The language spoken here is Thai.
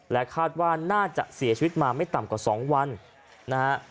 คาดว่าน่าจะเสียชีวิตมาไม่ต่ำกว่า๒วันนะฮะ